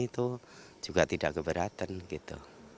itu juga tidak keberatan gitu